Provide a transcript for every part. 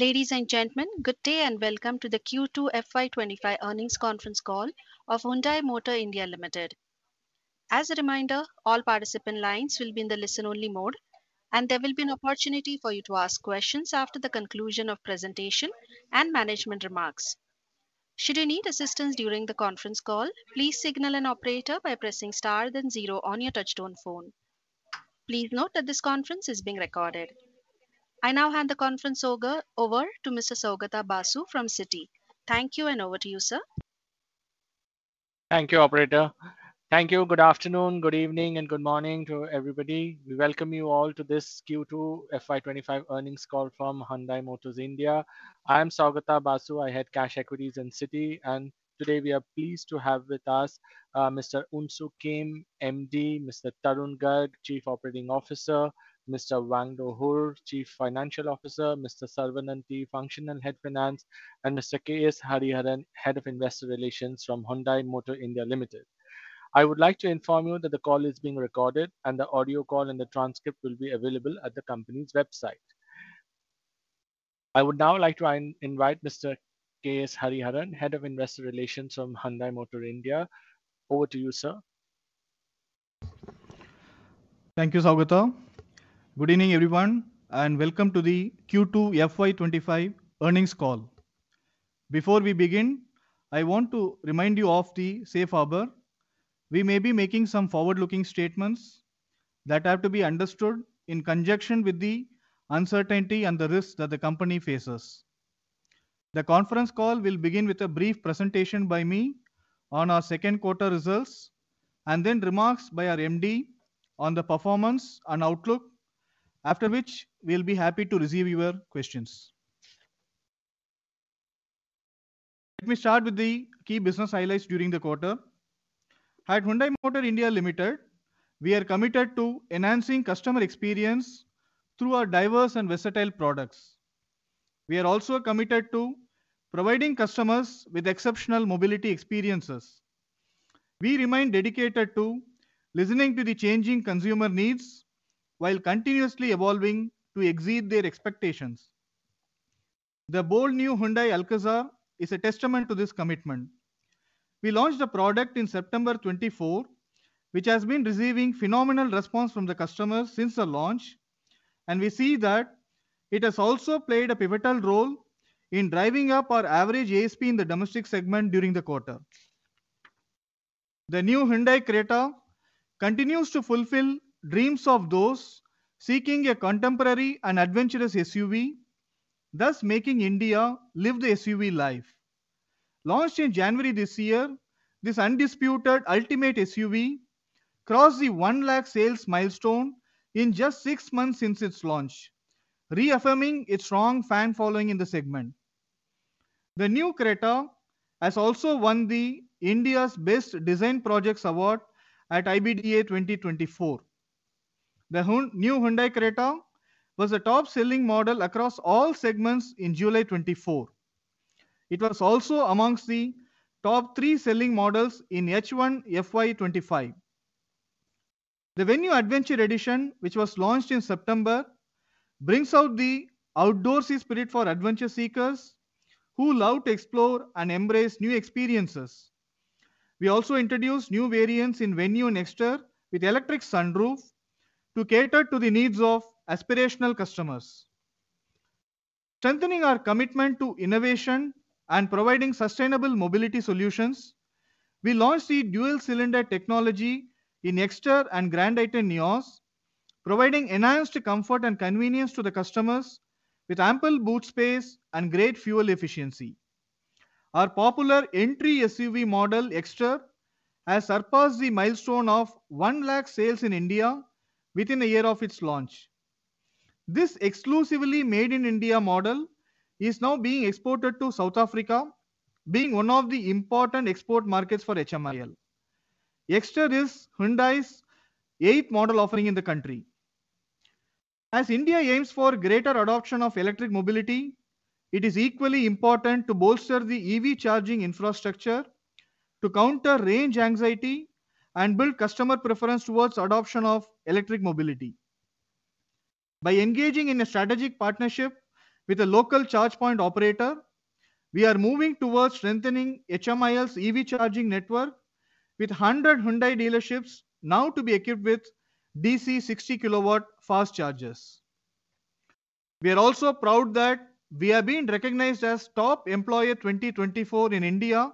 Ladies and gentlemen, good day and welcome to the Q2 FY25 earnings conference call of Hyundai Motor India Limited. As a reminder, all participant lines will be in the listen-only mode, and there will be an opportunity for you to ask questions after the conclusion of presentation and management remarks. Should you need assistance during the conference call, please signal an operator by pressing star then zero on your touchtone phone. Please note that this conference is being recorded. I now hand the conference over to Mr. Saugata Basu from Citi. Thank you, and over to you, sir. Thank you, operator. Thank you, good afternoon, good evening, and good morning to everybody. We welcome you all to this Q2 FY25 earnings call from Hyundai Motor India. I am Sougata Basu. I head cash equities in Citi, and today we are pleased to have with us Mr. Unsoo Kim, MD, Mr. Tarun Garg, Chief Operating Officer, Mr. Wangdo Hur, Chief Financial Officer, Mr. Saravanan T, Functional Head of Finance, and Mr. K. S. Hariharan, Head of Investor Relations from Hyundai Motor India Limited. I would like to inform you that the call is being recorded, and the audio call and the transcript will be available at the company's website. I would now like to invite Mr. K. S. Hariharan, Head of Investor Relations from Hyundai Motor India. Over to you, sir. Thank you, Sougata. Good evening, everyone, and welcome to the Q2 FY25 earnings call. Before we begin, I want to remind you of the safe harbor. We may be making some forward-looking statements that have to be understood in conjunction with the uncertainty and the risk that the company faces. The conference call will begin with a brief presentation by me on our second quarter results and then remarks by our MD on the performance and outlook, after which we'll be happy to receive your questions. Let me start with the key business highlights during the quarter. At Hyundai Motor India Limited, we are committed to enhancing customer experience through our diverse and versatile products. We are also committed to providing customers with exceptional mobility experiences. We remain dedicated to listening to the changing consumer needs while continuously evolving to exceed their expectations. The bold new Hyundai Alcazar is a testament to this commitment. We launched a product in September 2024, which has been receiving phenomenal response from the customers since the launch, and we see that it has also played a pivotal role in driving up our average ASP in the domestic segment during the quarter. The new Hyundai Creta continues to fulfill dreams of those seeking a contemporary and adventurous SUV, thus making India live the SUV life. Launched in January this year, this undisputed ultimate SUV crossed the 1 lakh sales milestone in just six months since its launch, reaffirming its strong fan following in the segment. The new Creta has also won the India's Best Design Projects award at IBDA 2024. The new Hyundai Creta was a top-selling model across all segments in July 2024. It was also among the top three selling models in H1 FY25. The Venue Adventure Edition, which was launched in September, brings out the outdoorsy spirit for adventure seekers who love to explore and embrace new experiences. We also introduced new variants in Venue and Exter with electric sunroof to cater to the needs of aspirational customers. Strengthening our commitment to innovation and providing sustainable mobility solutions, we launched the dual-cylinder technology in Exter and Grand i10 NIOS, providing enhanced comfort and convenience to the customers with ample boot space and great fuel efficiency. Our popular entry SUV model, Exter, has surpassed the milestone of 1 lakh sales in India within a year of its launch. This exclusively made in India model is now being exported to South Africa, being one of the important export markets for HMIL. Exter is Hyundai's eighth model offering in the country. As India aims for greater adoption of electric mobility, it is equally important to bolster the EV charging infrastructure to counter range anxiety and build customer preference towards adoption of electric mobility. By engaging in a strategic partnership with a local charge point operator, we are moving towards strengthening HMIL's EV charging network with 100 Hyundai dealerships now to be equipped with DC 60 kilowatt fast chargers. We are also proud that we have been recognized as Top Employer 2024 in India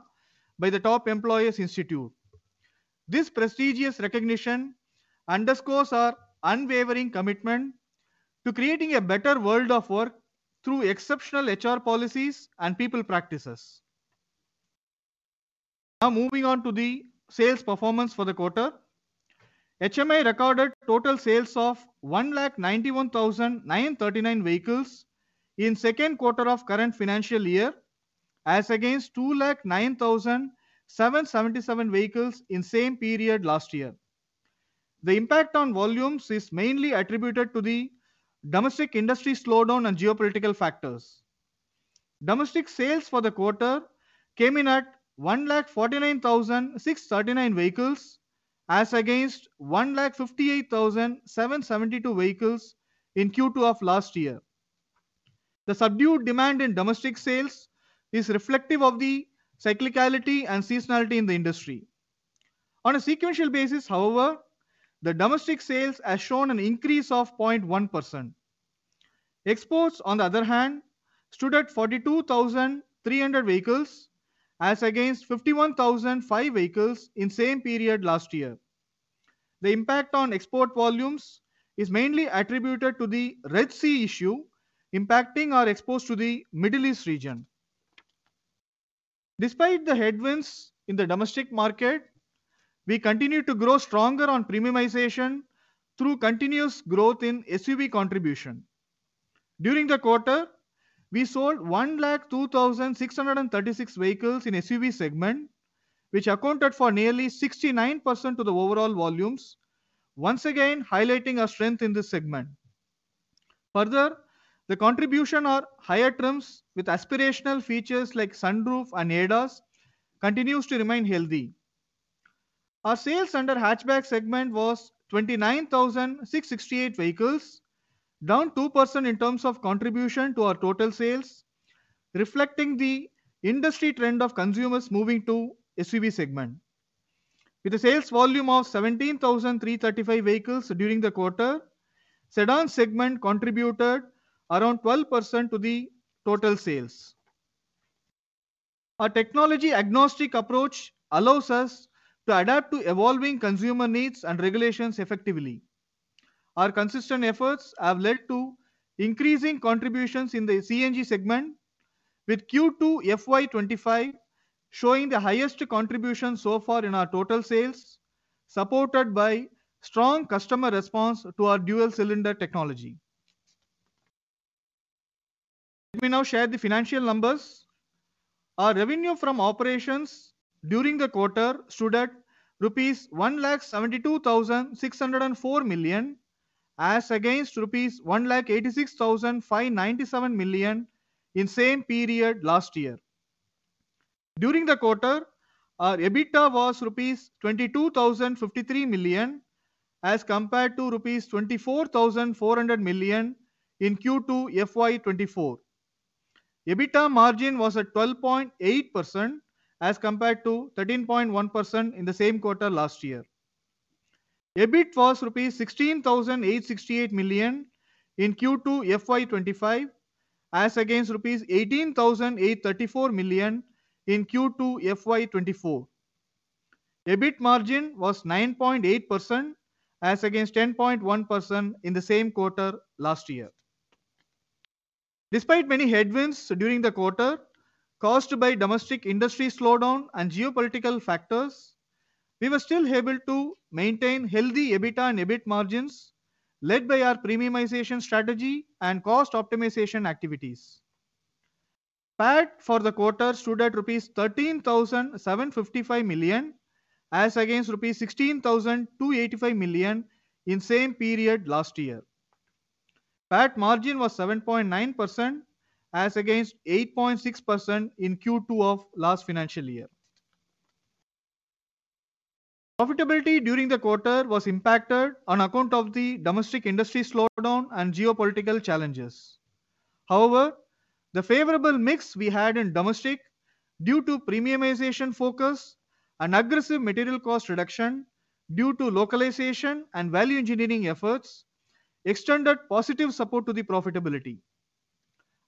by the Top Employers Institute. This prestigious recognition underscores our unwavering commitment to creating a better world of work through exceptional HR policies and people practices. Now moving on to the sales performance for the quarter, HMI recorded total sales of 191,939 vehicles in second quarter of current financial year as against 209,777 vehicles in the same period last year. The impact on volumes is mainly attributed to the domestic industry slowdown and geopolitical factors. Domestic sales for the quarter came in at 149,639 vehicles as against 158,772 vehicles in Q2 of last year. The subdued demand in domestic sales is reflective of the cyclicality and seasonality in the industry. On a sequential basis, however, the domestic sales have shown an increase of 0.1%. Exports, on the other hand, stood at 42,300 vehicles as against 51,005 vehicles in the same period last year. The impact on export volumes is mainly attributed to the Red Sea issue impacting our exports to the Middle East region. Despite the headwinds in the domestic market, we continue to grow stronger on premiumization through continuous growth in SUV contribution. During the quarter, we sold 102,636 vehicles in the SUV segment, which accounted for nearly 69% of the overall volumes, once again highlighting our strength in this segment. Further, the contribution of higher trims with aspirational features like sunroof and ADAS continues to remain healthy. Our sales under hatchback segment was 29,668 vehicles, down 2% in terms of contribution to our total sales, reflecting the industry trend of consumers moving to the SUV segment. With a sales volume of 17,335 vehicles during the quarter, the sedan segment contributed around 12% to the total sales. Our technology-agnostic approach allows us to adapt to evolving consumer needs and regulations effectively. Our consistent efforts have led to increasing contributions in the CNG segment, with Q2 FY25 showing the highest contribution so far in our total sales, supported by strong customer response to our dual-cylinder technology. Let me now share the financial numbers. Our revenue from operations during the quarter stood at rupees 172,604 million as against rupees 186,597 million in the same period last year. During the quarter, our EBITDA was rupees 22,053 million as compared to rupees 24,400 million in Q2 FY24. EBITDA margin was at 12.8% as compared to 13.1% in the same quarter last year. EBITDA was rupees 16,868 million in Q2 FY25 as against rupees 18,834 million in Q2 FY24. EBITDA margin was 9.8% as against 10.1% in the same quarter last year. Despite many headwinds during the quarter caused by domestic industry slowdown and geopolitical factors, we were still able to maintain healthy EBITDA and EBITDA margins led by our premiumization strategy and cost optimization activities. PAT for the quarter stood at rupees 13,755 million as against rupees 16,285 million in the same period last year. PAT margin was 7.9% as against 8.6% in Q2 of last financial year. Profitability during the quarter was impacted on account of the domestic industry slowdown and geopolitical challenges. However, the favorable mix we had in domestic due to premiumization focus and aggressive material cost reduction due to localization and value engineering efforts extended positive support to the profitability.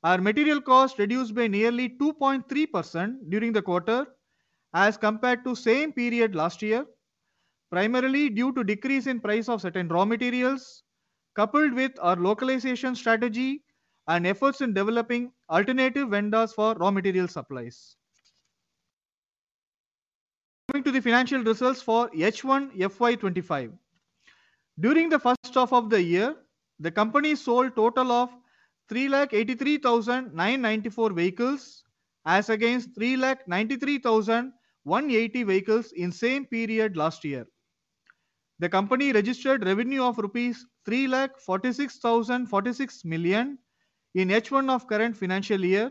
Our material cost reduced by nearly 2.3% during the quarter as compared to the same period last year, primarily due to a decrease in the price of certain raw materials, coupled with our localization strategy and efforts in developing alternative vendors for raw material supplies. Coming to the financial results for H1 FY25, during the first half of the year, the company sold a total of 383,994 vehicles as against 393,180 vehicles in the same period last year. The company registered revenue of rupees 346,046 million in H1 of the current financial year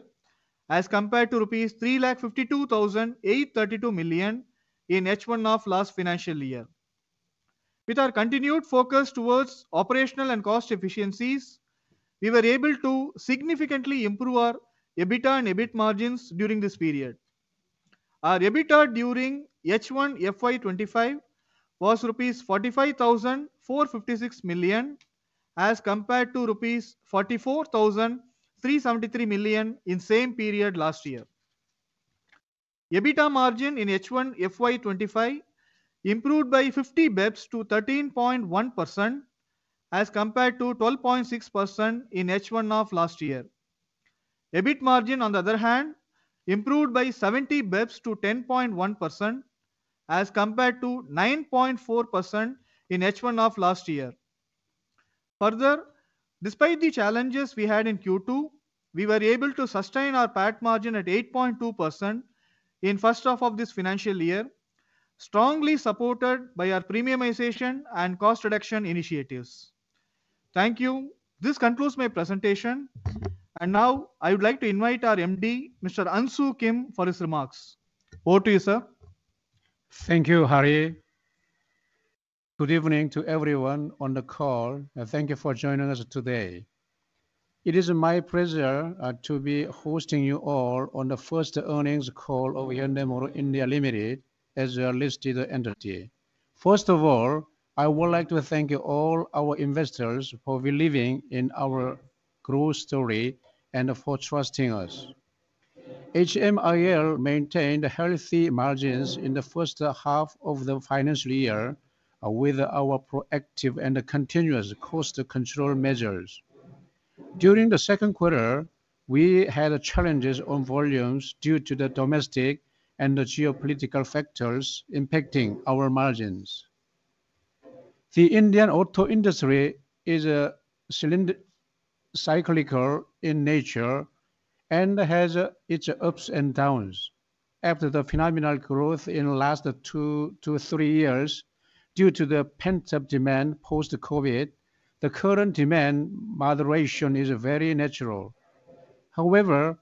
as compared to rupees 352,832 million in H1 of the last financial year. With our continued focus towards operational and cost efficiencies, we were able to significantly improve our EBITDA and EBITDA margins during this period. Our EBITDA during H1 FY25 was rupees 45,456 million as compared to rupees 44,373 million in the same period last year. EBITDA margin in H1 FY25 improved by 50 basis points to 13.1% as compared to 12.6% in H1 of last year. EBITDA margin, on the other hand, improved by 70 basis points to 10.1% as compared to 9.4% in H1 of last year. Further, despite the challenges we had in Q2, we were able to sustain our PAT margin at 8.2% in the first half of this financial year, strongly supported by our premiumization and cost reduction initiatives. Thank you. This concludes my presentation. And now I would like to invite our MD, Mr. Unsoo Kim, for his remarks. Over to you, sir. Thank you, Hari. Good evening to everyone on the call, and thank you for joining us today. It is my pleasure to be hosting you all on the first earnings call of Hyundai Motor India Limited as a listed entity. First of all, I would like to thank all our investors for believing in our growth story and for trusting us. HMIL maintained healthy margins in the first half of the financial year with our proactive and continuous cost control measures. During the second quarter, we had challenges on volumes due to the domestic and geopolitical factors impacting our margins. The Indian auto industry is cyclical in nature and has its ups and downs. After the phenomenal growth in the last two to three years due to the pent-up demand post-COVID, the current demand moderation is very natural. However,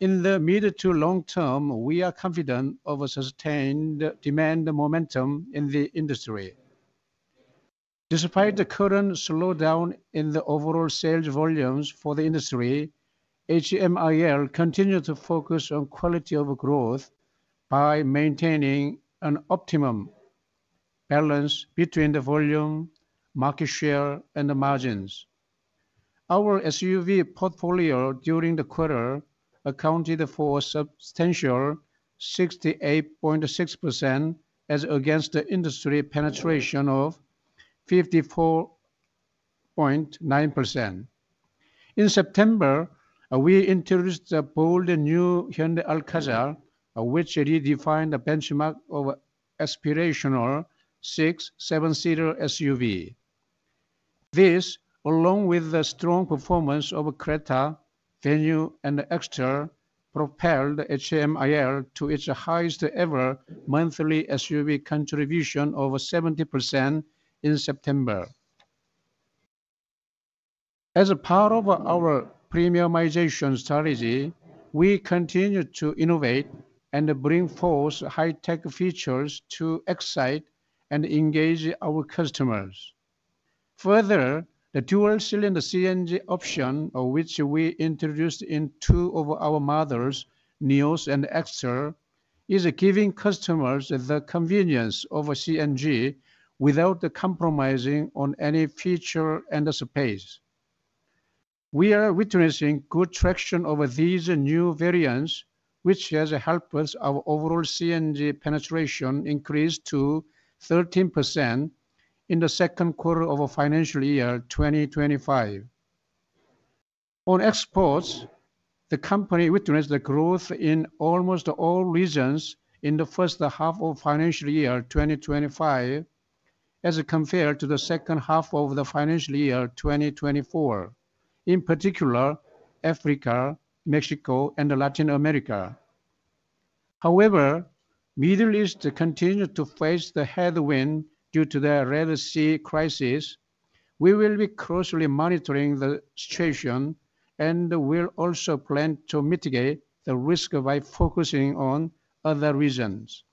in the mid to long term, we are confident of a sustained demand momentum in the industry. Despite the current slowdown in the overall sales volumes for the industry, HMIL continues to focus on quality of growth by maintaining an optimum balance between the volume, market share, and margins. Our SUV portfolio during the quarter accounted for a substantial 68.6% as against the industry penetration of 54.9%. In September, we introduced the bold new Hyundai Alcazar, which redefined the benchmark of aspirational six-seven-seater SUV. This, along with the strong performance of Creta, Venue, and Exter, propelled HMIL to its highest-ever monthly SUV contribution of 70% in September. As a part of our premiumization strategy, we continue to innovate and bring forth high-tech features to excite and engage our customers. Further, the dual-cylinder CNG option, which we introduced in two of our models, NIOS and Exter, is giving customers the convenience of CNG without compromising on any feature and space. We are witnessing good traction over these new variants, which has helped our overall CNG penetration increase to 13% in the second quarter of financial year 2025. On exports, the company witnessed growth in almost all regions in the first half of financial year 2025 as compared to the second half of financial year 2024, in particular Africa, Mexico, and Latin America. However, the Middle East continues to face the headwind due to the Red Sea crisis. We will be closely monitoring the situation and will also plan to mitigate the risk by focusing on other regions.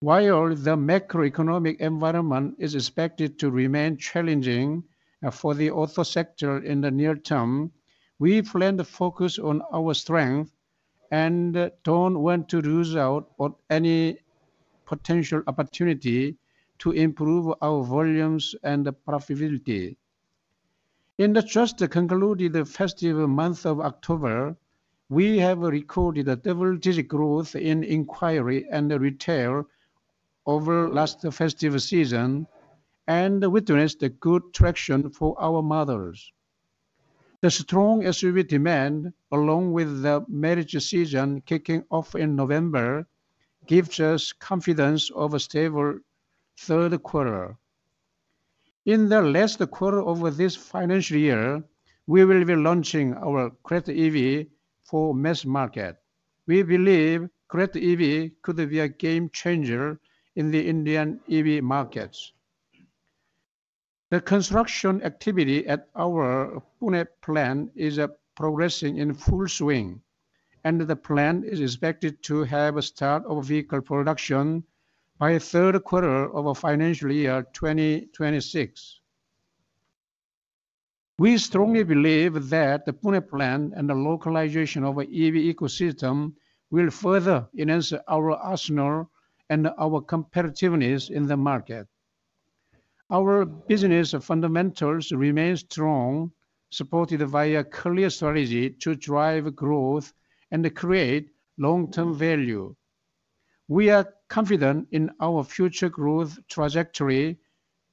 While the macroeconomic environment is expected to remain challenging for the auto sector in the near term, we plan to focus on our strengths and don't want to lose out on any potential opportunity to improve our volumes and profitability. In the just concluded festive month of October, we have recorded a double-digit growth in inquiry and retail over the last festive season and witnessed good traction for our models. The strong SUV demand, along with the marriage season kicking off in November, gives us confidence of a stable third quarter. In the last quarter of this financial year, we will be launching our Creta EV for the mass market. We believe Creta EV could be a game changer in the Indian EV markets. The construction activity at our Pune plant is progressing in full swing, and the plant is expected to have a start of vehicle production by the third quarter of financial year 2026. We strongly believe that the Pune plant and the localization of the EV ecosystem will further enhance our arsenal and our competitiveness in the market. Our business fundamentals remain strong, supported by a clear strategy to drive growth and create long-term value. We are confident in our future growth trajectory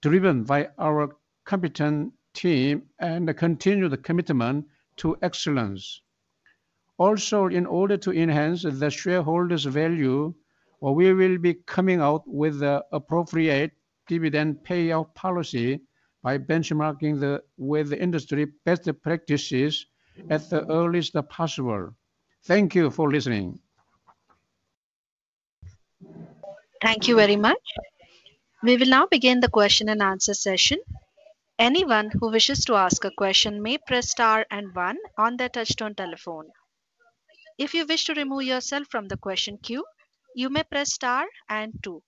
driven by our competent team and continued commitment to excellence. Also, in order to enhance the shareholders' value, we will be coming out with the appropriate dividend payout policy by benchmarking with the industry best practices as early as possible. Thank you for listening. Thank you very much. We will now begin the question and answer session. Anyone who wishes to ask a question may press Star and one on their touch-tone telephone. If you wish to remove yourself from the question queue, you may press Star and two.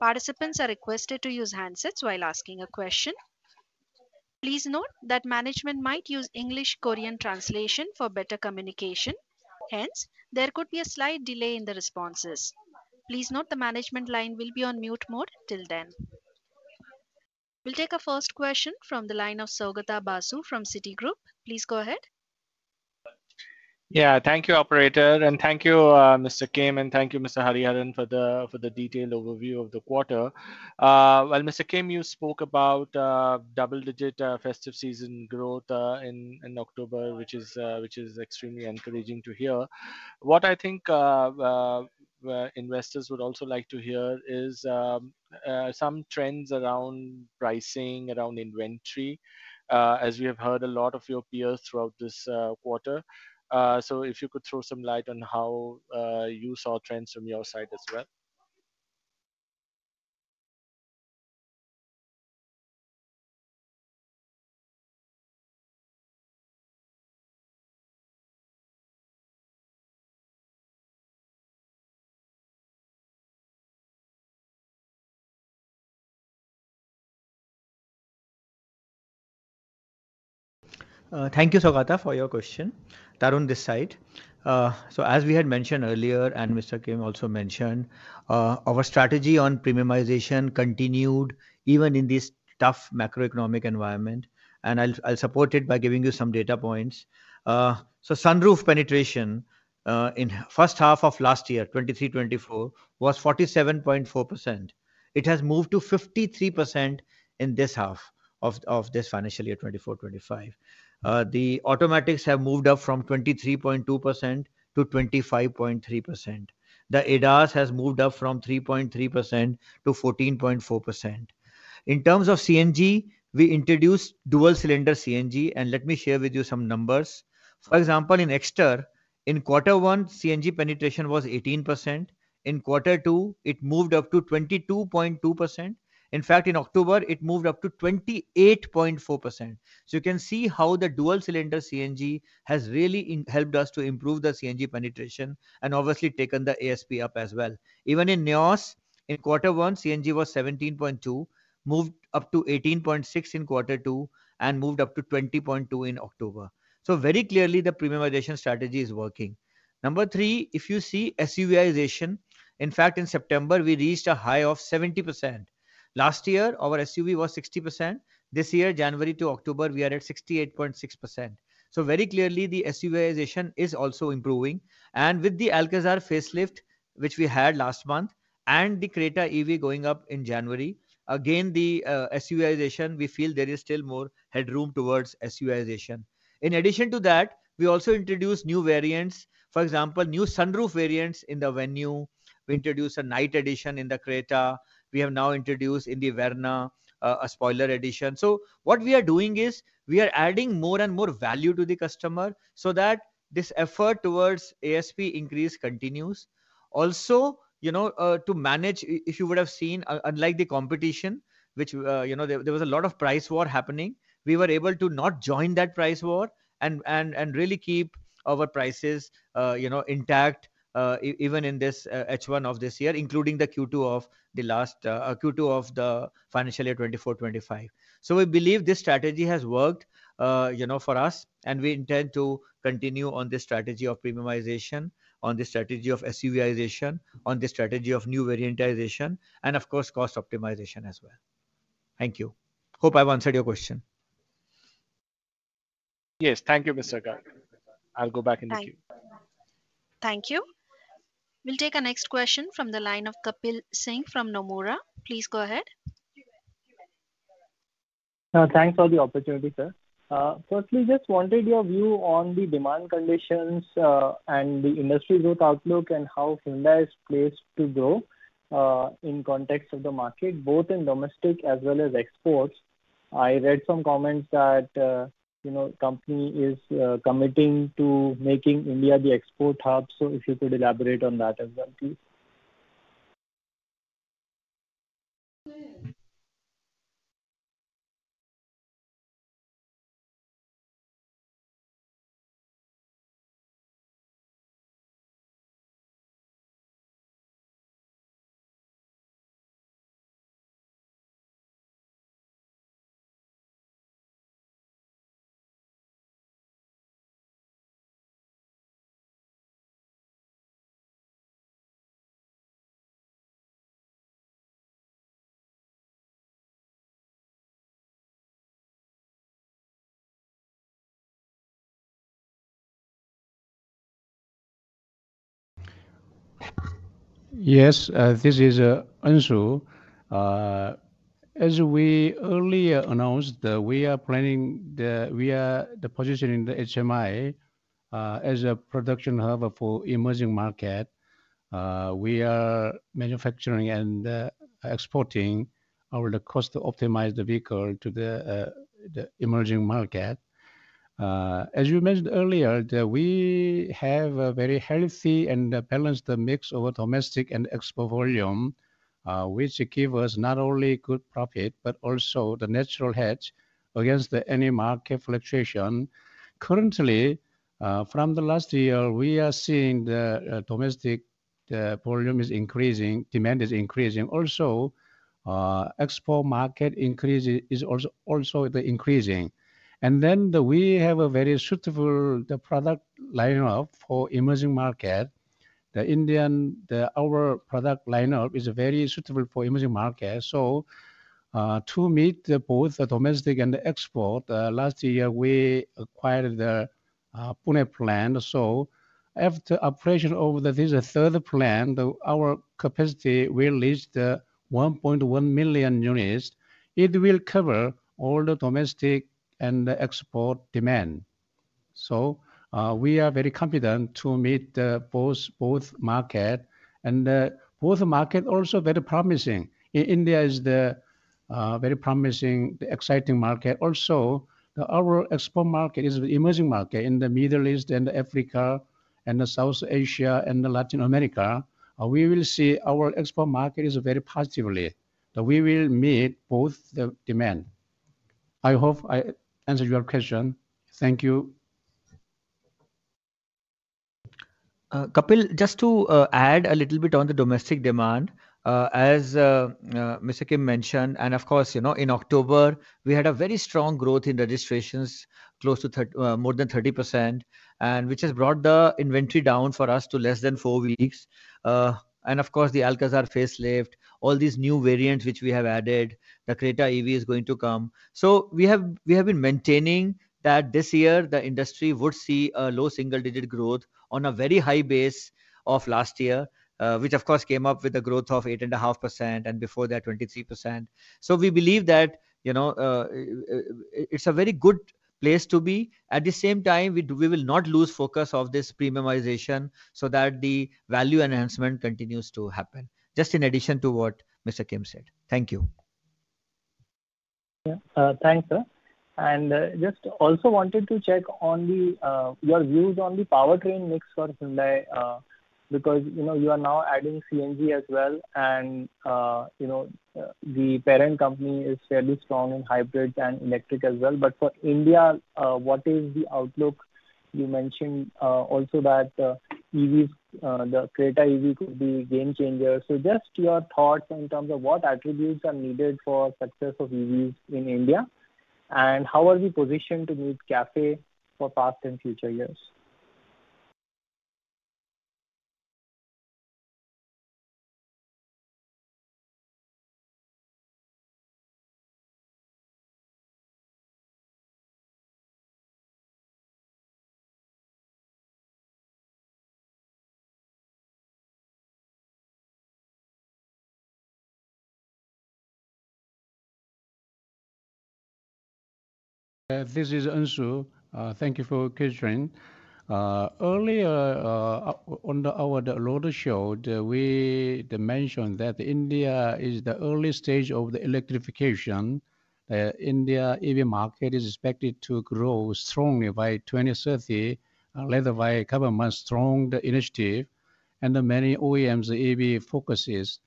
Participants are requested to use handsets while asking a question. Please note that management might use English-Korean translation for better communication. Hence, there could be a slight delay in the responses. Please note the management line will be on mute mode till then. We'll take a first question from the line of Saugata Basu from Citi. Please go ahead. Yeah, thank you, Operator. And thank you, Mr. Kim, and thank you, Mr. Hariharan, for the detailed overview of the quarter. Mr. Kim, you spoke about double-digit festive season growth in October, which is extremely encouraging to hear. What I think investors would also like to hear is some trends around pricing, around inventory, as we have heard a lot of your peers throughout this quarter. If you could throw some light on how you saw trends from your side as well. Thank you, Saugata, for your question. Tarun this side. As we had mentioned earlier, and Mr. Kim also mentioned, our strategy on premiumization continued even in this tough macroeconomic environment. And I'll support it by giving you some data points. Sunroof penetration in the first half of last year, 2023-24, was 47.4%. It has moved to 53% in this half of this financial year, 2024-25. The automatics have moved up from 23.2% to 25.3%. The ADAS has moved up from 3.3% to 14.4%. In terms of CNG, we introduced dual-cylinder CNG. And let me share with you some numbers. For example, in Exter, in quarter one, CNG penetration was 18%. In quarter two, it moved up to 22.2%. In fact, in October, it moved up to 28.4%. So you can see how the dual-cylinder CNG has really helped us to improve the CNG penetration and obviously taken the ASP up as well. Even in NIOS, in quarter one, CNG was 17.2, moved up to 18.6 in quarter two, and moved up to 20.2 in October. So very clearly, the premiumization strategy is working. Number three, if you see SUVization, in fact, in September, we reached a high of 70%. Last year, our SUV was 60%. This year, January to October, we are at 68.6%. So very clearly, the SUVization is also improving. And with the Alcazar facelift, which we had last month, and the Creta EV going up in January, again, the SUVization, we feel there is still more headroom towards SUVization. In addition to that, we also introduced new variants. For example, new sunroof variants in the Venue. We introduced a Knight Edition in the Creta. We have now introduced in the Verna a spoiler edition. So what we are doing is we are adding more and more value to the customer so that this effort towards ASP increase continues. Also, to manage, if you would have seen, unlike the competition, which there was a lot of price war happening, we were able to not join that price war and really keep our prices intact even in this H1 of this year, including the Q2 of the last Q2 of the financial year 24-25. So we believe this strategy has worked for us, and we intend to continue on this strategy of premiumization, on this strategy of SUVization, on this strategy of new variantization, and of course, cost optimization as well. Thank you. Hope I've answered your question. Yes, thank you, Mr. Garg. I'll go back into Q. Thank you. We'll take a next question from the line of Kapil Singh from Nomura. Please go ahead. Thanks for the opportunity, sir. First, we just wanted your view on the demand conditions and the industry growth outlook and how Hyundai is placed to grow in context of the market, both in domestic as well as exports. I read some comments that the company is committing to making India the export hub. So if you could elaborate on that as well, please. Yes, this is Unsoo. As we earlier announced, we are planning the position in the HMI as a production hub for the emerging market. We are manufacturing and exporting our cost-optimized vehicle to the emerging market. As you mentioned earlier, we have a very healthy and balanced mix of domestic and export volume, which gives us not only good profit, but also the natural hedge against any market fluctuation. Currently, from the last year, we are seeing the domestic volume is increasing, demand is increasing. Also, export market increase is also increasing. And then we have a very suitable product lineup for the emerging market. The Indian, our product lineup is very suitable for the emerging market. So to meet both the domestic and export, last year, we acquired the Pune plant. So after operation over this third plant, our capacity will reach 1.1 million units. It will cover all the domestic and export demand. So we are very confident to meet both markets. And both markets are also very promising. India is a very promising, exciting market. Also, our export market is an emerging market in the Middle East and Africa and South Asia and Latin America. We will see our export market is very positively. We will meet both the demand. I hope I answered your question. Thank you. Kapil, just to add a little bit on the domestic demand, as Mr. Kim mentioned, and of course, in October, we had a very strong growth in registrations, close to more than 30%, which has brought the inventory down for us to less than four weeks, and of course, the Alcazar facelift, all these new variants which we have added, the Creta EV is going to come, so we have been maintaining that this year, the industry would see a low single-digit growth on a very high base of last year, which of course came up with a growth of 8.5% and before that, 23%, so we believe that it's a very good place to be. At the same time, we will not lose focus of this premiumization so that the value enhancement continues to happen, just in addition to what Mr. Kim said. Thank you. Yeah, thanks, sir. And just also wanted to check on your views on the powertrain mix for Hyundai, because you are now adding CNG as well, and the parent company is fairly strong in hybrids and electric as well. But for India, what is the outlook? You mentioned also that the Creta EV could be a game changer. So just your thoughts in terms of what attributes are needed for the success of EVs in India, and how are we positioned to meet CAFE for past and future years? This is Unsoo. Thank you for the question. Earlier on our roadshow, we mentioned that India is in the early stage of the electrification. The India EV market is expected to grow strongly by 2030, led by government's strong initiative and the many OEMs' EV focuses.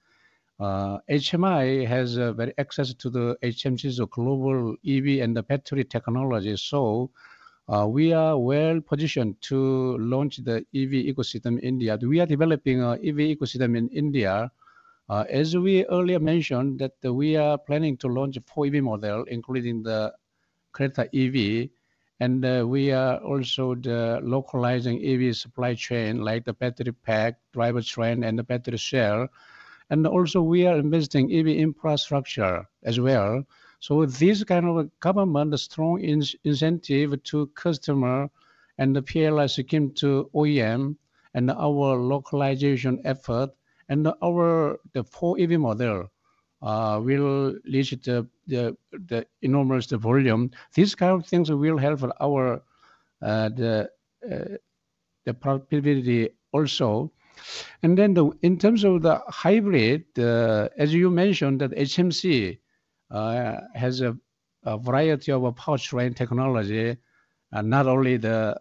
HMI has access to the HMC's global EV and the battery technology. So we are well positioned to launch the EV ecosystem in India. We are developing an EV ecosystem in India. As we earlier mentioned, we are planning to launch four EV models, including the Creta EV. And we are also localizing EV supply chain like the battery pack, drivetrain, and the battery cell. And also, we are investing in EV infrastructure as well. So, this kind of government strong incentive to customer and the PLI scheme to OEM and our localization effort and our four EV model will reach the enormous volume. These kind of things will help the productivity also. And then, in terms of the hybrid, as you mentioned, HMC has a variety of powertrain technology, not only the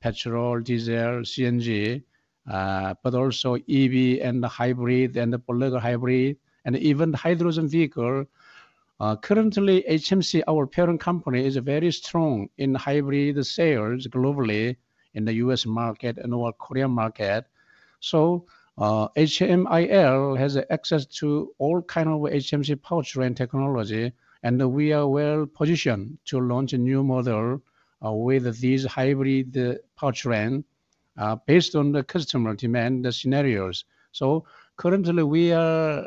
petrol, diesel, CNG, but also EV and hybrid and parallel hybrid, and even hydrogen vehicle. Currently, HMC, our parent company, is very strong in hybrid sales globally in the US market and our Korean market. So, HMIL has access to all kinds of HMC powertrain technology, and we are well positioned to launch a new model with these hybrid powertrain based on the customer demand scenarios. So currently, we are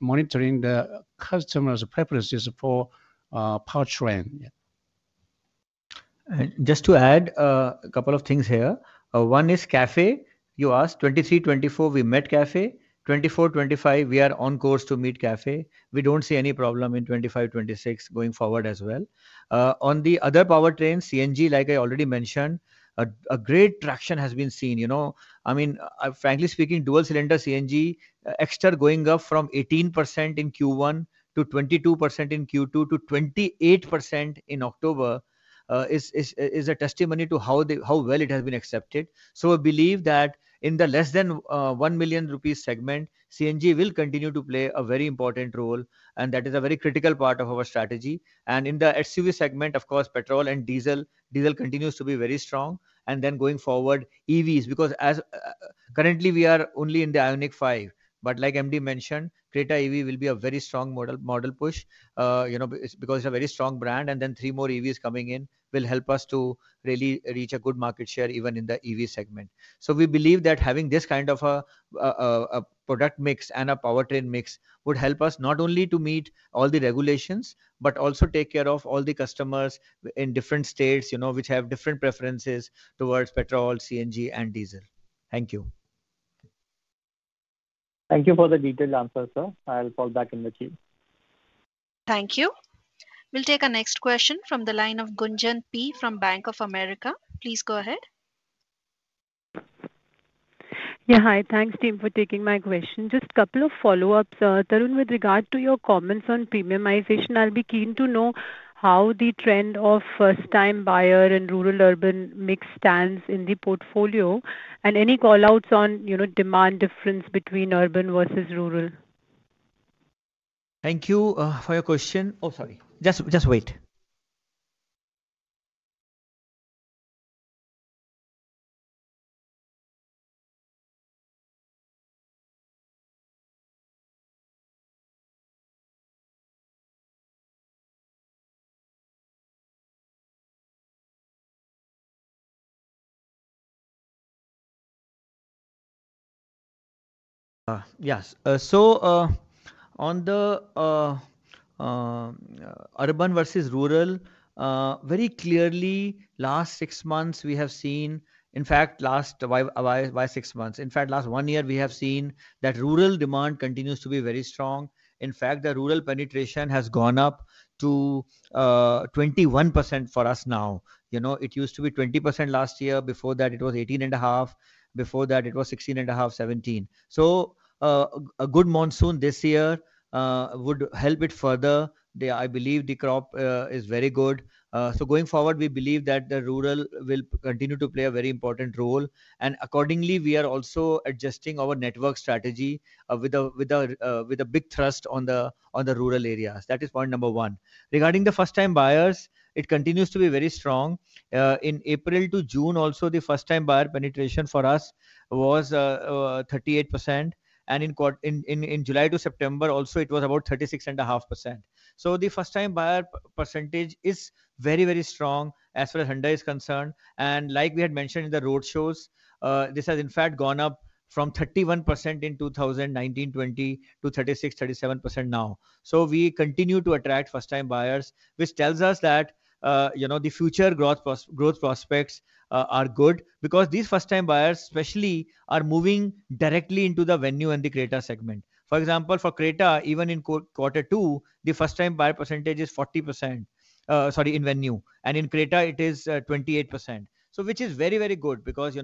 monitoring the customer's preferences for powertrain. Just to add a couple of things here. One is CAFE. You asked 23-24, we met CAFE. 24-25, we are on course to meet CAFE. We don't see any problem in 25-26 going forward as well. On the other powertrain, CNG, like I already mentioned, a great traction has been seen. I mean, frankly speaking, dual-cylinder CNG, Exter going up from 18% in Q1 to 22% in Q2 to 28% in October is a testimony to how well it has been accepted. So we believe that in the less than 1 million rupees segment, CNG will continue to play a very important role, and that is a very critical part of our strategy, and in the SUV segment, of course, petrol and diesel, diesel continues to be very strong. And then going forward, EVs, because currently we are only in the IONIQ 5, but like MD mentioned, Creta EV will be a very strong model push because it's a very strong brand. And then three more EVs coming in will help us to really reach a good market share even in the EV segment. So we believe that having this kind of a product mix and a powertrain mix would help us not only to meet all the regulations, but also take care of all the customers in different states which have different preferences towards petrol, CNG, and diesel. Thank you. Thank you for the detailed answer, sir. I'll fall back in the Q. Thank you. We'll take a next question from the line of Gunjan P. from Bank of America. Please go ahead. Yeah, hi. Thanks, Team, for taking my question. Just a couple of follow-ups. Tarun, with regard to your comments on premiumization, I'll be keen to know how the trend of first-time buyer and rural-urban mix stands in the portfolio and any callouts on demand difference between urban versus rural. Thank you for your question. Oh, sorry. Just wait. Yes. So on the urban versus rural, very clearly, last six months, we have seen. In fact, why six months? In fact, last one year, we have seen that rural demand continues to be very strong. In fact, the rural penetration has gone up to 21% for us now. It used to be 20% last year. Before that, it was 18.5%. Before that, it was 16.5%, 17%. So a good monsoon this year would help it further. I believe the crop is very good. So going forward, we believe that the rural will continue to play a very important role. And accordingly, we are also adjusting our network strategy with a big thrust on the rural areas. That is point number one. Regarding the first-time buyers, it continues to be very strong. In April to June, also, the first-time buyer penetration for us was 38%. And in July to September, also, it was about 36.5%. So the first-time buyer percentage is very, very strong as far as Hyundai is concerned. And like we had mentioned in the road shows, this has, in fact, gone up from 31% in 2019-2020 to 36-37% now. So we continue to attract first-time buyers, which tells us that the future growth prospects are good because these first-time buyers, especially, are moving directly into the Venue and the Creta segment. For example, for Creta, even in quarter two, the first-time buyer percentage is 40%, sorry, in Venue. And in Creta, it is 28%, which is very, very good because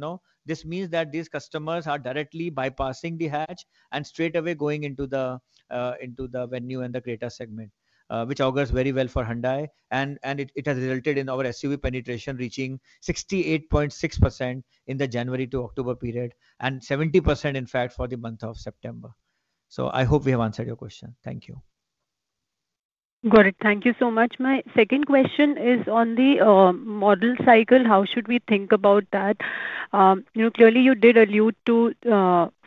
this means that these customers are directly bypassing the hatch and straight away going into the Venue and the Creta segment, which augurs very well for Hyundai. And it has resulted in our SUV penetration reaching 68.6% in the January to October period and 70%, in fact, for the month of September. So I hope we have answered your question. Thank you. Got it. Thank you so much. My second question is on the model cycle. How should we think about that? Clearly, you did allude to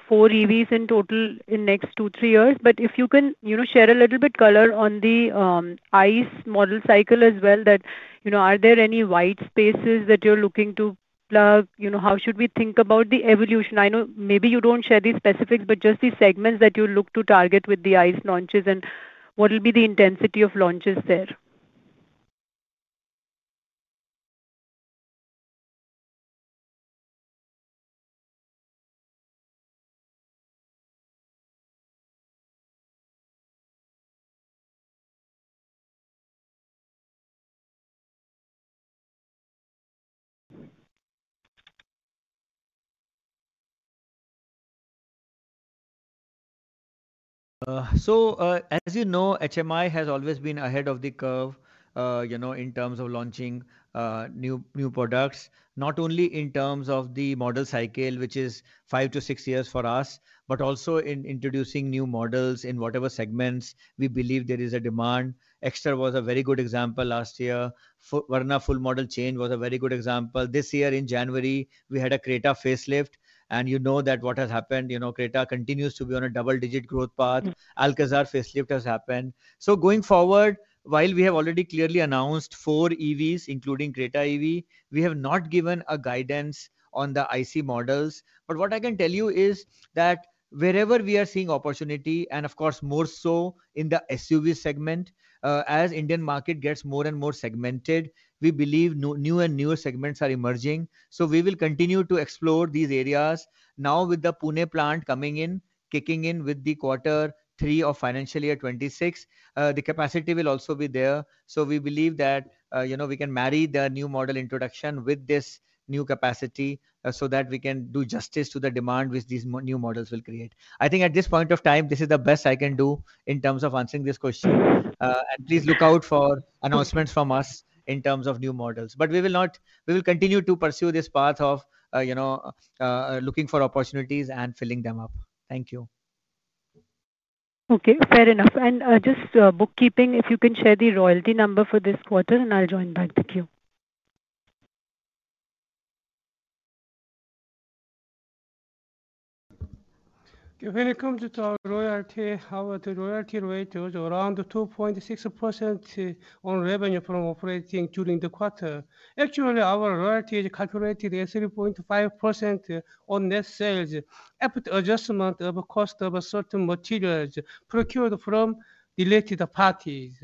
four EVs in total in the next two, three years. But if you can share a little bit color on the ICE model cycle as well, are there any white spaces that you're looking to plug? How should we think about the evolution? I know maybe you don't share the specifics, but just the segments that you look to target with the ICE launches and what will be the intensity of launches there? As you know, HMI has always been ahead of the curve in terms of launching new products, not only in terms of the model cycle, which is five to six years for us, but also in introducing new models in whatever segments we believe there is a demand. Exter was a very good example last year. Verna full model change was a very good example. This year, in January, we had a Creta facelift. And you know that what has happened. Creta continues to be on a double-digit growth path. Alcazar facelift has happened. So going forward, while we have already clearly announced four EVs, including Creta EV, we have not given a guidance on the ICE models. But what I can tell you is that wherever we are seeing opportunity, and of course, more so in the SUV segment, as the Indian market gets more and more segmented, we believe new and newer segments are emerging. So we will continue to explore these areas. Now, with the Pune plant coming in, kicking in with the quarter three of financial year 2026, the capacity will also be there. So we believe that we can marry the new model introduction with this new capacity so that we can do justice to the demand which these new models will create. I think at this point of time, this is the best I can do in terms of answering this question. And please look out for announcements from us in terms of new models. But we will continue to pursue this path of looking for opportunities and filling them up. Thank you. Okay, fair enough. And just bookkeeping, if you can share the royalty number for this quarter, and I'll join back the Q. When it comes to royalty, how are the royalty rates? Around 2.6% on revenue from operating during the quarter. Actually, our royalty is calculated as 3.5% on net sales after adjustment of the cost of certain materials procured from related parties.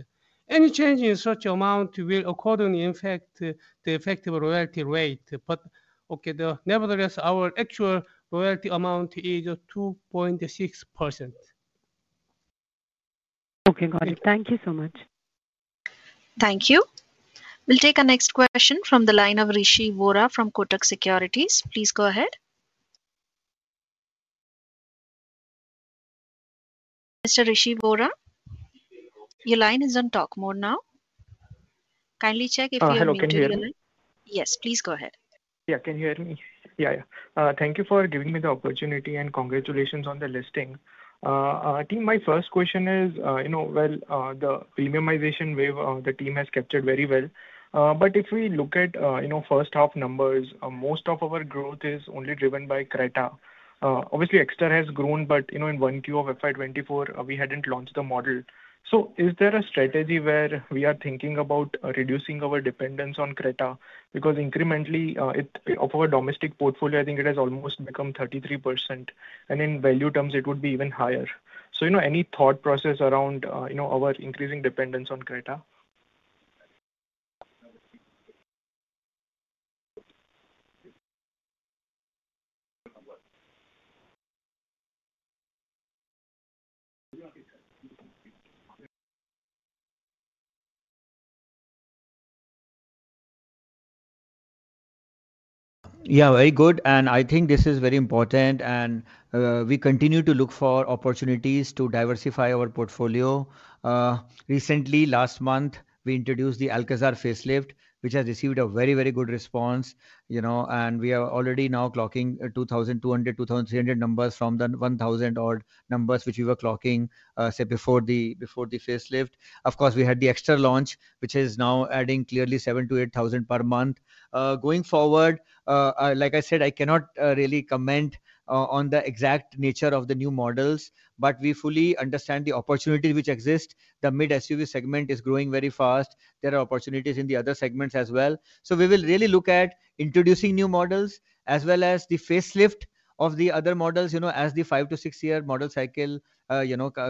Any change in such amount will accordingly affect the effective royalty rate. But nevertheless, our actual royalty amount is 2.6%. Okay, got it. Thank you so much. Thank you. We'll take a next question from the line of Rishi Vora from Kotak Securities. Please go ahead. Mr. Rishi Vora, your line is on talk mode now. Kindly check if you're able to hear me. Oh, hello. Can you hear me? Yes, please go ahead. Yeah, can you hear me? Yeah, yeah. Thank you for giving me the opportunity and congratulations on the listing. I think, my first question is, well, the premiumization wave the team has captured very well. But if we look at first-half numbers, most of our growth is only driven by Creta. Obviously, Exter has grown, but in one Q of FY24, we hadn't launched the model. So is there a strategy where we are thinking about reducing our dependence on Creta? Because incrementally, of our domestic portfolio, I think it has almost become 33%. And in value terms, it would be even higher. So any thought process around our increasing dependence on Creta? Yeah, very good. And I think this is very important. And we continue to look for opportunities to diversify our portfolio. Recently, last month, we introduced the Alcazar facelift, which has received a very, very good response. And we are already now clocking 2,200-2,300 numbers from the 1,000-odd numbers which we were clocking before the facelift. Of course, we had the Exter launch, which is now adding clearly 7,000-8,000 per month. Going forward, like I said, I cannot really comment on the exact nature of the new models, but we fully understand the opportunities which exist. The mid-SUV segment is growing very fast. There are opportunities in the other segments as well. So we will really look at introducing new models as well as the facelift of the other models as the five- to six-year model cycle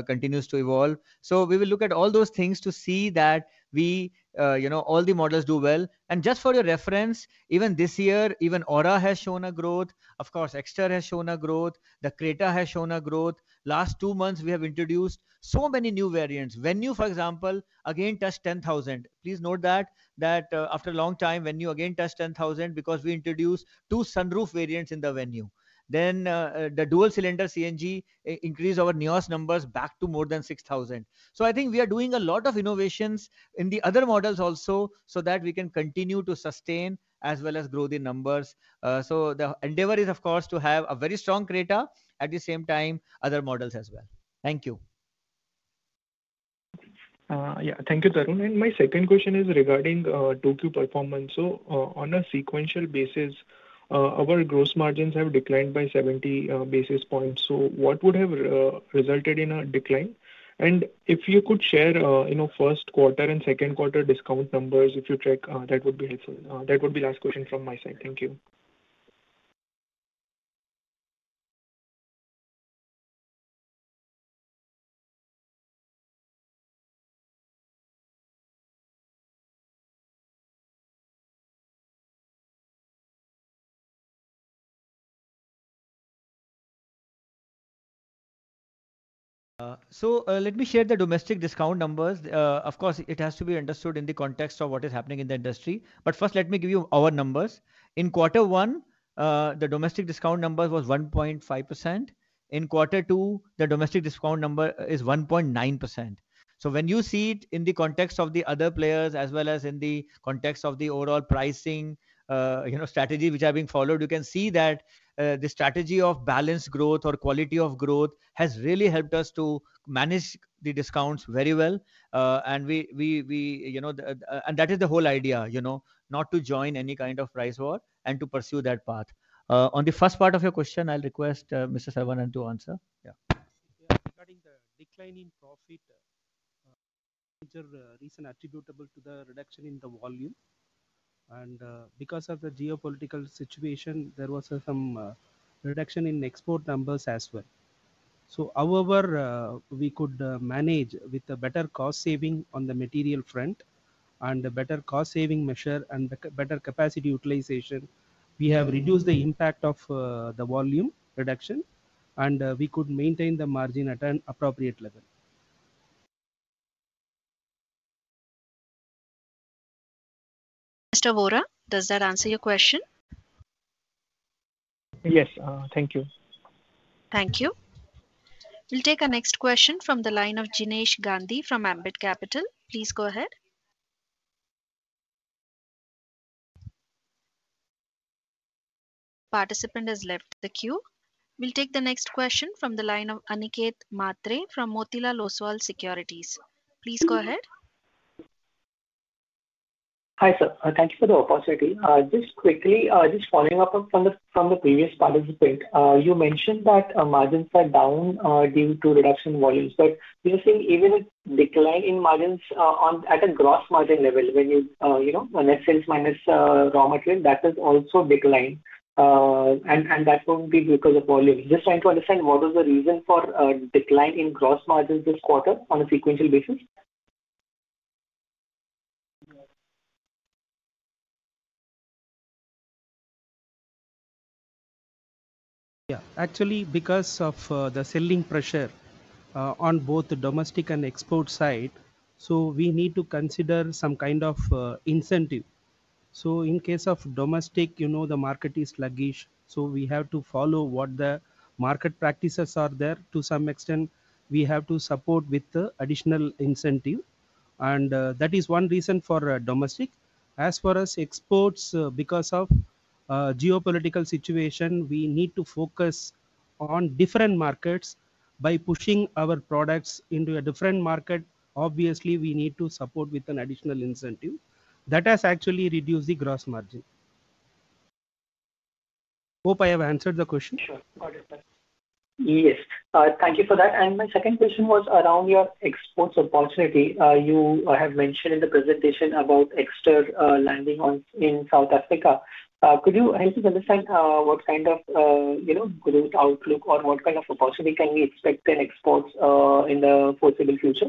continues to evolve. So we will look at all those things to see that all the models do well. And just for your reference, even this year, even Aura has shown a growth. Of course, Exter has shown a growth. The Creta has shown a growth. Last two months, we have introduced so many new variants. Venue, for example, again touched 10,000. Please note that after a long time, Venue again touched 10,000 because we introduced two sunroof variants in the Venue. Then the dual-cylinder CNG increased our NIOS numbers back to more than 6,000. So I think we are doing a lot of innovations in the other models also so that we can continue to sustain as well as grow the numbers. So the endeavor is, of course, to have a very strong Creta at the same time other models as well. Thank you. Yeah, thank you, Tarun. And my second question is regarding 2Q performance. So on a sequential basis, our gross margins have declined by 70 basis points. So what would have resulted in a decline? And if you could share first quarter and second quarter discount numbers, if you check, that would be helpful. That would be the last question from my side. Thank you. So let me share the domestic discount numbers. Of course, it has to be understood in the context of what is happening in the industry. But first, let me give you our numbers. In quarter one, the domestic discount number was 1.5%. In quarter two, the domestic discount number is 1.9%. So when you see it in the context of the other players as well as in the context of the overall pricing strategy which are being followed, you can see that the strategy of balanced growth or quality of growth has really helped us to manage the discounts very well. And that is the whole idea, not to join any kind of price war and to pursue that path. On the first part of your question, I'll request Mr. Saravanan to answer. Yeah. Regarding the decline in profit, which was recently attributable to the reduction in the volume. Because of the geopolitical situation, there was some reduction in export numbers as well. However, we could manage with the better cost saving on the material front and the better cost saving measure and better capacity utilization. We have reduced the impact of the volume reduction, and we could maintain the margin at an appropriate level. Mr. Vora, does that answer your question? Yes, thank you. Thank you. We'll take a next question from the line of Jinesh Gandhi from Ambit Capital. Please go ahead. Participant has left the queue. We'll take the next question from the line of Aniket Mhatre from Motilal Oswal Securities. Please go ahead. Hi sir, thank you for the opportunity. Just quickly, just following up from the previous participant, you mentioned that margins are down due to reduction in volumes. But you're saying even a decline in margins at a gross margin level when you net sales minus raw material, that is also a decline. And that won't be because of volume. Just trying to understand what was the reason for a decline in gross margins this quarter on a sequential basis? Yeah, actually, because of the selling pressure on both domestic and export side, so we need to consider some kind of incentive. So in case of domestic, the market is sluggish. So we have to follow what the market practices are there. To some extent, we have to support with the additional incentive. And that is one reason for domestic. As far as exports, because of geopolitical situation, we need to focus on different markets by pushing our products into a different market. Obviously, we need to support with an additional incentive. That has actually reduced the gross margin. Hope I have answered the question. Sure, got it. Yes, thank you for that. And my second question was around your exports opportunity. You have mentioned in the presentation about Exter landing in South Africa. Could you help us understand what kind of growth outlook or what kind of opportunity can we expect in exports in the foreseeable future?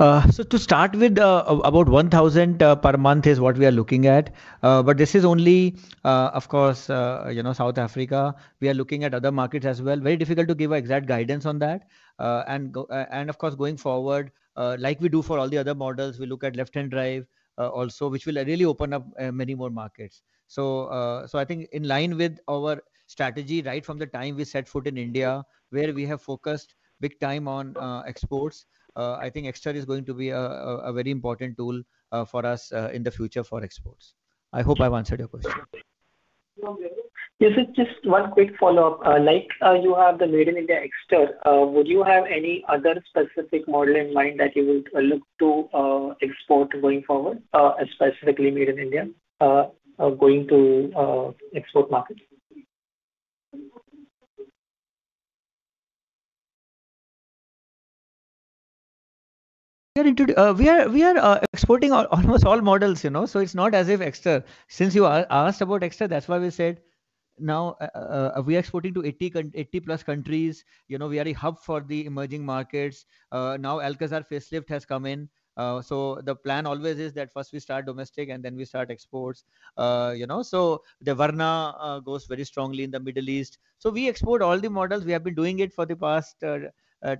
To start with, about 1,000 per month is what we are looking at. But this is only, of course, South Africa. We are looking at other markets as well. Very difficult to give exact guidance on that. And of course, going forward, like we do for all the other models, we look at left-hand drive also, which will really open up many more markets. So I think in line with our strategy right from the time we set foot in India, where we have focused big time on exports, I think Exter is going to be a very important tool for us in the future for exports. I hope I've answered your question. Yes, just one quick follow-up. Like you have the Made in India Exter, would you have any other specific model in mind that you would look to export going forward, specifically Made in India, going to export markets? We are exporting almost all models. So it's not as if Exter. Since you asked about Exter, that's why we said now we are exporting to 80-plus countries. We are a hub for the emerging markets. Now, Alcazar facelift has come in. So the plan always is that first we start domestic and then we start exports. So the Verna goes very strongly in the Middle East. So we export all the models. We have been doing it for the past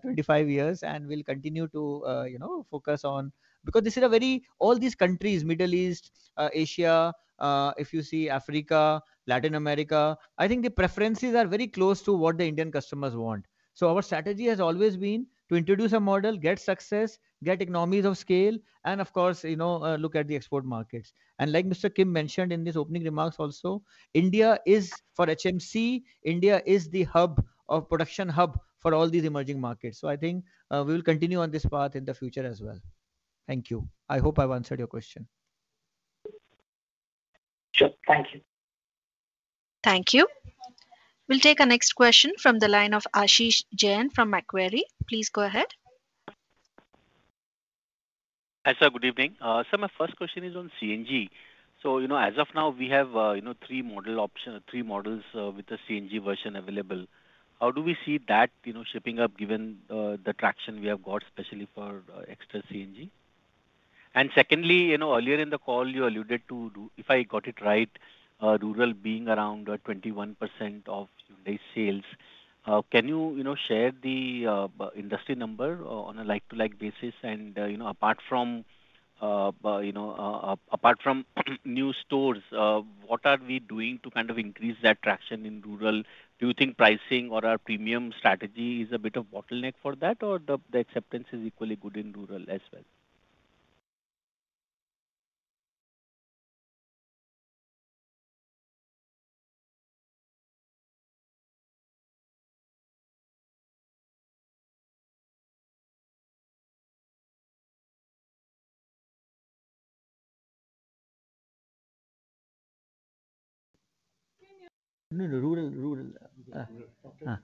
25 years and we'll continue to focus on because this is a very all these countries, Middle East, Asia, if you see Africa, Latin America, I think the preferences are very close to what the Indian customers want. So our strategy has always been to introduce a model, get success, get economies of scale, and of course, look at the export markets. And like Mr. Kim mentioned in his opening remarks also, India is for HMC, India is the production hub for all these emerging markets. So I think we will continue on this path in the future as well. Thank you. I hope I've answered your question. Sure, thank you. Thank you. We'll take a next question from the line of Ashish Jain from Macquarie. Please go ahead. Hi, sir, good evening. Sir, my first question is on CNG. So as of now, we have three model options, three models with the CNG version available. How do we see that shaping up given the traction we have got, especially for Exter CNG? And secondly, earlier in the call, you alluded to, if I got it right, rural being around 21% of Hyundai's sales. Can you share the industry number on a like-for-like basis? And apart from new stores, what are we doing to kind of increase that traction in rural? Do you think pricing or our premium strategy is a bit of bottleneck for that, or the acceptance is equally good in rural as well? No, no, rural.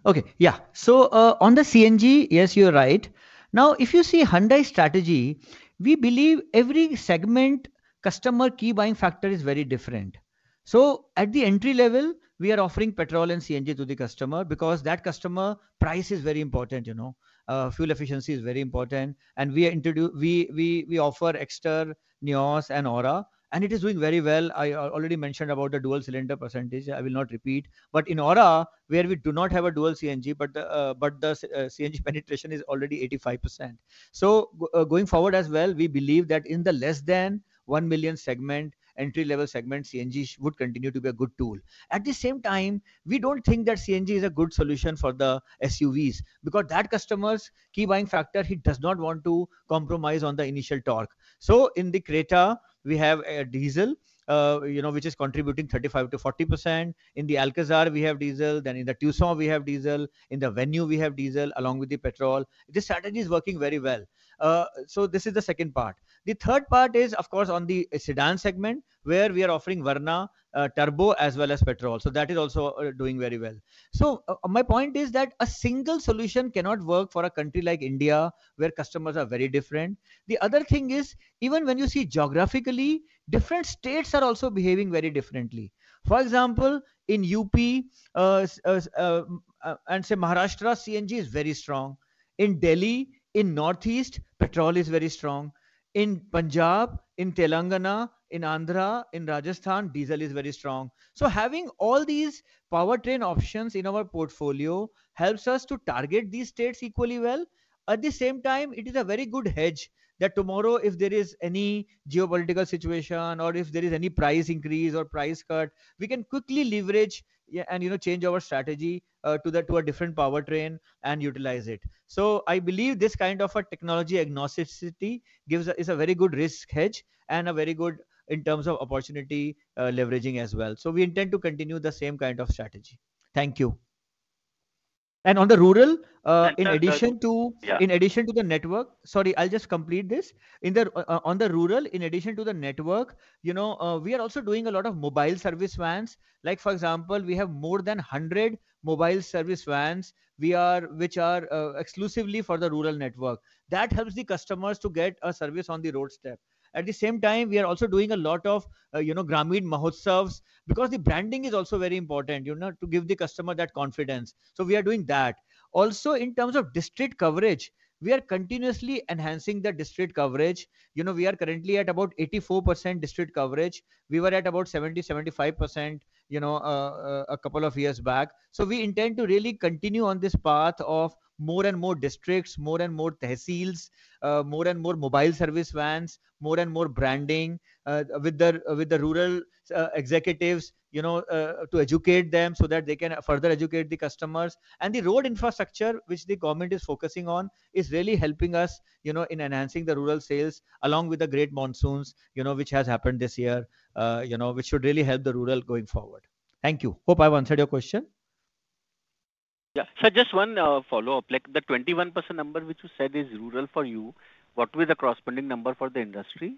Okay, yeah. So on the CNG, yes, you're right. Now, if you see Hyundai's strategy, we believe every segment customer key buying factor is very different. So at the entry level, we are offering petrol and CNG to the customer because that customer price is very important. Fuel efficiency is very important. And we offer Exter, NIOS, and Aura. And it is doing very well. I already mentioned about the dual-cylinder percentage. I will not repeat. But in Aura, where we do not have a dual CNG, but the CNG penetration is already 85%. So going forward as well, we believe that in the less than one million segment, entry-level segment, CNG would continue to be a good tool. At the same time, we don't think that CNG is a good solution for the SUVs because that customer's key buying factor, he does not want to compromise on the initial torque. So in the Creta, we have a diesel, which is contributing 35%-40%. In the Alcazar, we have diesel. Then in the Tucson, we have diesel. In the Venue, we have diesel along with the petrol. This strategy is working very well. So this is the second part. The third part is, of course, on the sedan segment, where we are offering Verna, turbo, as well as petrol. So that is also doing very well. So my point is that a single solution cannot work for a country like India where customers are very different. The other thing is, even when you see geographically, different states are also behaving very differently. For example, in UP, and say Maharashtra, CNG is very strong. In Delhi, in Northeast, petrol is very strong. In Punjab, in Telangana, in Andhra, in Rajasthan, diesel is very strong. So having all these powertrain options in our portfolio helps us to target these states equally well. At the same time, it is a very good hedge that tomorrow, if there is any geopolitical situation or if there is any price increase or price cut, we can quickly leverage and change our strategy to a different powertrain and utilize it. So I believe this kind of technology agnosticism is a very good risk hedge and a very good in terms of opportunity leveraging as well. So we intend to continue the same kind of strategy. Thank you. And on the rural, in addition to the network, sorry, I'll just complete this. On the rural, in addition to the network, we are also doing a lot of mobile service vans. Like for example, we have more than 100 mobile service vans which are exclusively for the rural network. That helps the customers to get a service on the doorstep. At the same time, we are also doing a lot of Grameen Mahotsavs because the branding is also very important to give the customer that confidence. So we are doing that. Also, in terms of district coverage, we are continuously enhancing the district coverage. We are currently at about 84% district coverage. We were at about 70%-75% a couple of years back. So we intend to really continue on this path of more and more districts, more and more tehsils, more and more mobile service vans, more and more branding with the rural executives to educate them so that they can further educate the customers. And the road infrastructure, which the government is focusing on, is really helping us in enhancing the rural sales along with the great monsoons, which has happened this year, which should really help the rural going forward. Thank you. Hope I've answered your question. Yeah, sir, just one follow-up. Like the 21% number which you said is rural for you, what will be the corresponding number for the industry?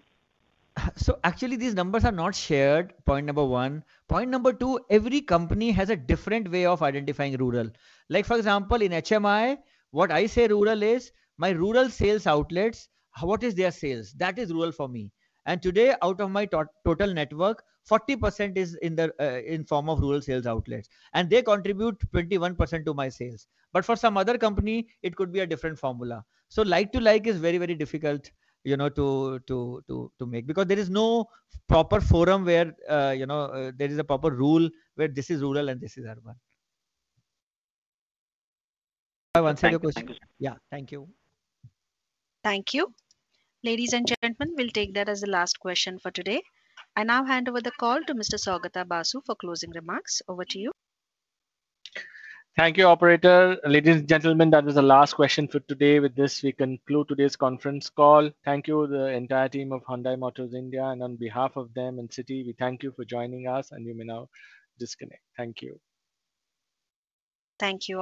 So actually, these numbers are not shared, point number one. Point number two, every company has a different way of identifying rural. Like for example, in HMI, what I say rural is my rural sales outlets, what is their sales? That is rural for me. And today, out of my total network, 40% is in the form of rural sales outlets. And they contribute 21% to my sales. But for some other company, it could be a different formula. So like-to-like is very, very difficult to make because there is no proper forum where there is a proper rule where this is rural and this is urban. I've answered your question. Yeah, thank you. Thank you. Ladies and gentlemen, we'll take that as the last question for today. I now hand over the call to Mr. Saugata Basu for closing remarks. Over to you. Thank you, operator. Ladies and gentlemen, that was the last question for today. With this, we conclude today's conference call. Thank you, the entire team of Hyundai Motor India. And on behalf of them and Citi, we thank you for joining us, and you may now disconnect. Thank you. Thank you.